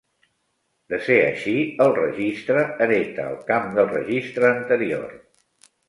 De ser així, el registre hereta el camp del registre anterior.